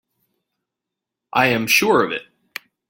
I am sure of it.